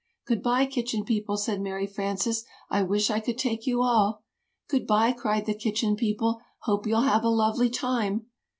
"Good bye, Kitchen People," said Mary Frances, "I wish I could take you all." "Good bye," cried the Kitchen People; "hope you'll have a lovely time!"